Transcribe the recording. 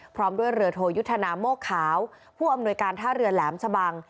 พร้อมด้วยเรือโทยุทธนาโมกขาวผู้อำนวยการท่าเรือแหลมชะบัง